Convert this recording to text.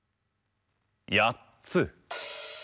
やっつ。